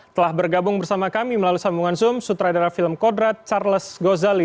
telah bergabung bersama kami melalui sambungan zoom sutradara film kodrat charles gozali